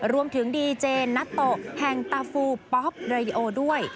รวมถึงดีเจนัตโตะแห่งตาฟูป๊อปเรดิโอด้วย